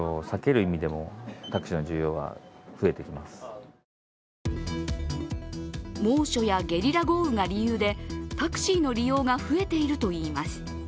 そのわけは猛暑やゲリラ豪雨が理由でタクシーの利用が増えているといいます。